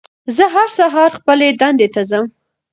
زه هر سهار خپلې دندې ته ځم